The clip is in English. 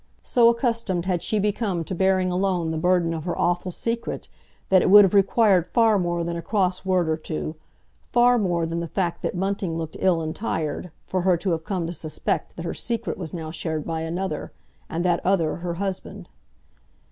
So accustomed had she become to bearing alone the burden of her awful secret, that it would have required far more than a cross word or two, far more than the fact that Bunting looked ill and tired, for her to have come to suspect that her secret was now shared by another, and that other her husband.